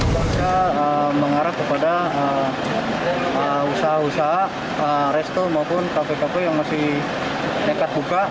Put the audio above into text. mengarah kepada usaha usaha resto maupun kafe kafe yang masih nekat buka